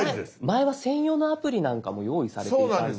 前は専用のアプリなんかも用意されていたんです。